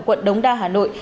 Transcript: quận đống đa hà nội